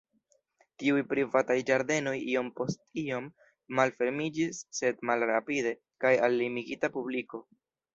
Tiuj privataj ĝardenoj iom post iom malfermiĝis sed malrapide kaj al limigita publiko.